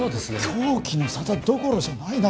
狂気の沙汰どころじゃないな